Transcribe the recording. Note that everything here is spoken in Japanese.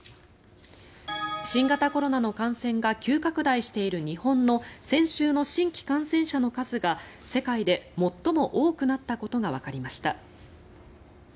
新型コロナの感染が急拡大している日本の先週の新規感染者の数が世界で最も多くなったことがわかりました。